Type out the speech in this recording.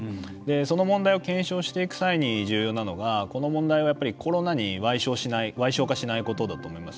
その問題を検証していく際に重要なのがこの問題は、コロナにわい小化しないことだと思います。